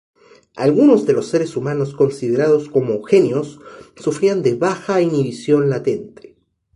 Algunos de los seres humanos considerados como "genios" sufrían de baja inhibición latente.